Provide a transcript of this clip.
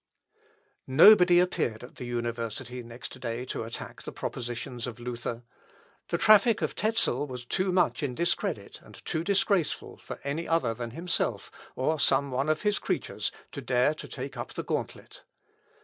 Nobody appeared at the university next day to attack the propositions of Luther. The traffic of Tezel was too much in discredit, and too disgraceful for any other than himself, or some one of his creatures, to dare to take up the gauntlet.